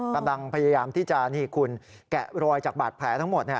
กำลังพยายามที่จะนี่คุณแกะรอยจากบาดแผลทั้งหมด